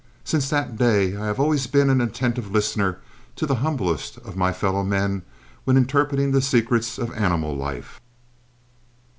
Since that day I have always been an attentive listener to the humblest of my fellowmen when interpreting the secrets of animal life.